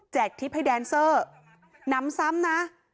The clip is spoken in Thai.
แจกทิพย์ให้แดนเซอร์น้ำซ้ำนะ